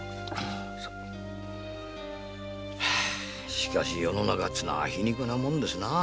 しかし世の中ってのは皮肉なもんですなあ。